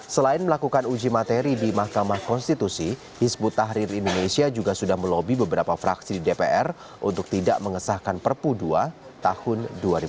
selain melakukan uji materi di mahkamah konstitusi hizbut tahrir indonesia juga sudah melobi beberapa fraksi di dpr untuk tidak mengesahkan perpu dua tahun dua ribu dua puluh